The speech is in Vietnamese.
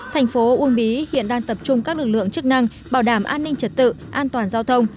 thành phố uông bí hiện đang tập trung các lực lượng chức năng bảo đảm an ninh trật tự an toàn giao thông